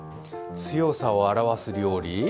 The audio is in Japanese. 強さを表す料理？